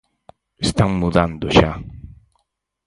Están mudando xa.